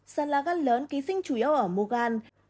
sàn lá gan lớn ký sinh chủ yếu ở mô gan